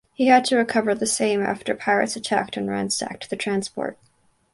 He had to recover the same after pirates attacked and ransacked the transport.